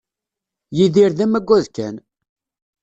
Yidir d amaggad kan.